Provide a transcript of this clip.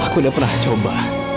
aku udah pernah coba